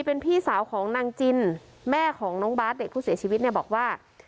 เป็นพี่สาวของนางจินแม่ของน้องบาทเด็กผู้เสียชีวิตเนี่ยบอกว่า